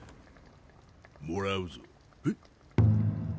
もらうぞえっ？